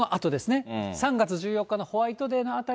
このあとですね、３月１４日のホワイトデーのあた